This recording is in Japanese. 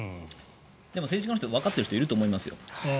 でも、政治家の人わかってる人いると思いますよ。